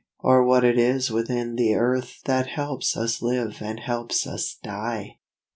Or what it is within the earth That helps us live and helps us die!